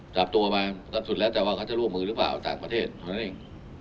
จับตัวมาก็สุดแล้วแต่ว่าเขาจะร่วมมือหรือเปล่าเอาต่างประเทศเท่านั้นเอง